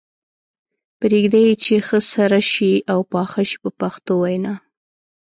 پرېږدي یې چې ښه سره شي او پاخه شي په پښتو وینا.